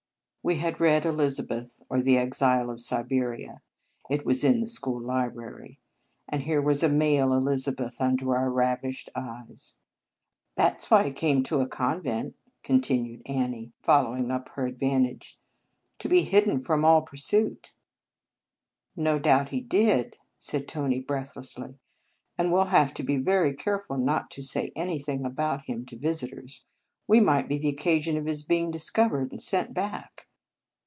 We had read " Eliza beth; or the Exile of Siberia," it was in the school library, and here was a male Elizabeth under our rav ished eyes. " That s why he came to a convent," continued Annie, follow ing up her advantage; "to be hidden from all pursuit." "No doubt he did," said Tony breathlessly, " and we 11 have to be very careful not to say anything about him to visitors. We might be the occasion of his being discovered and sent back."